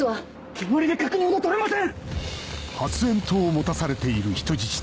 煙で確認が取れません！